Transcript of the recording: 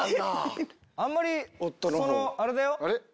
あんまりそのあれだよ。